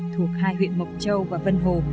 thuộc hai huyện mộc châu và vân hồ